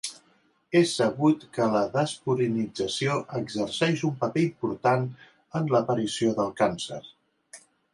És sabut que la despurinització exerceix un paper important en l'aparició del càncer.